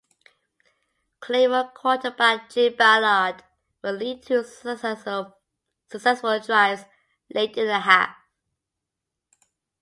Claymore quarterback Jim Ballard would lead two successful drives, late in the half.